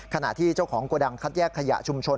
ขณะที่เจ้าของโกดังคัดแยกขยะชุมชน